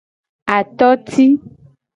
Atoti.